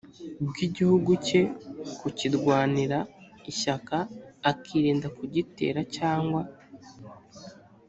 bw igihugu ke kukirwanira ishyaka akirinda kugitera cyangwa